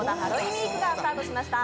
ウィークがスタートしました。